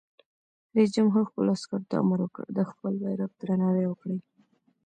رئیس جمهور خپلو عسکرو ته امر وکړ؛ د خپل بیرغ درناوی وکړئ!